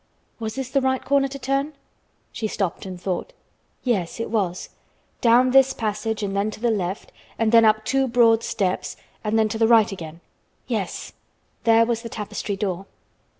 Was this the right corner to turn? She stopped and thought. Yes it was. Down this passage and then to the left, and then up two broad steps, and then to the right again. Yes, there was the tapestry door.